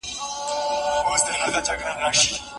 جنون د حسن پر امساء باندې راوښويدی